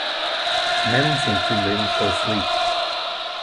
Men seem to live for sleep.